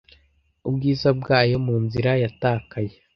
ubwiza bwayo mu nzira yatakaye